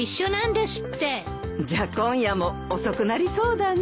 じゃあ今夜も遅くなりそうだね。